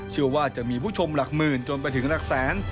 เชื่อว่าจะมีผู้ชมหลักหมื่นจนไปถึงหลักแสน